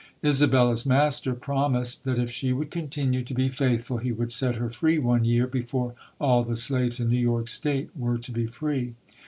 Isabella's master promised that if she would continue to be faithful he would set her free one year before all the slaves in New York State were to be free.